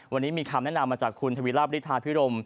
วันนี้มีคำแนะนำมาจากคุณทวีราบฤทธาพิรม